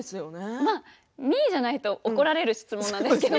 みーじゃないと怒られる質問なんですけど。